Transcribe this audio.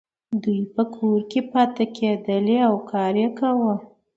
دوی په کور کې پاتې کیدلې او کار یې کاوه.